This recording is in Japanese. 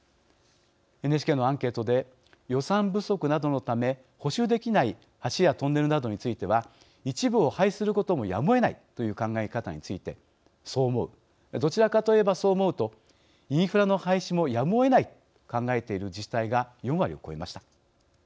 ＮＨＫのアンケートで予算不足などのため補修できない橋やトンネルなどについては一部を廃止することもやむをえないという考え方について、「そう思う」「どちらかといえばそう思う」とインフラの廃止もやむをえないと考えている自治体が４割を超えました。